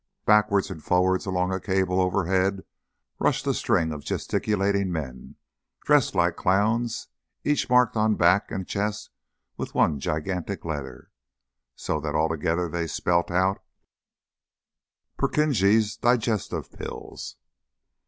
Backwards and forwards along a cable overhead rushed a string of gesticulating men, dressed like clowns, each marked on back and chest with one gigantic letter, so that altogether they spelt out: "PURKINJE'S DIGESTIVE PILLS."